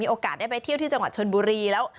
โอกาสได้ไปเที่ยวที่จังหวัดชนบุรีแล้ว